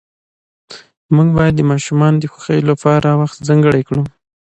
موږ باید د ماشومانو د خوښۍ لپاره وخت ځانګړی کړو